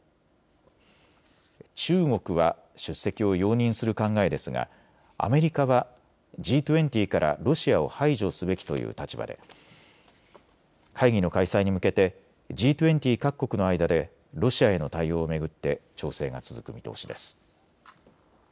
中国は出席を容認する考えですがアメリカはＧ２０からロシアを排除すべきという立場で会議の開催に向けてＧ２０各国の間でロシアへの対応を巡って調整が続く見通しです。